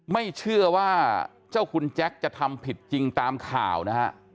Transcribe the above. ไม่เชื่อว่าเจ้าคุณแจ็คจะทำผิดจริงตามข่าวนะฮะ